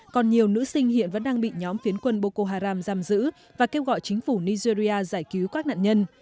còn nhiều nữ sinh hiện vẫn đang bị nhóm phiến quân bokoharam giam giữ và kêu gọi chính phủ nigeria giải cứu các nạn nhân